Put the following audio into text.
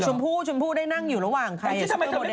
ชมพู่ชมพู่ได้นั่งอยู่ระหว่างใคร